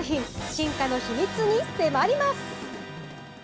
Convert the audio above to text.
進化の秘密に迫ります。